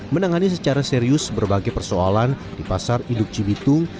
menangani secara serius berbagai persoalan di pasar induk cibitung